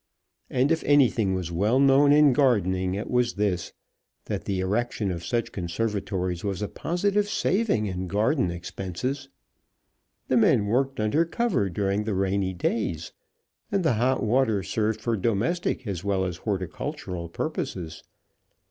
And if anything was well known in gardening it was this, that the erection of such conservatories was a positive saving in garden expenses. The men worked under cover during the rainy days, and the hot water served for domestic as well as horticultural purposes.